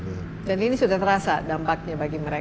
dan ini sudah terasa dampaknya bagi mereka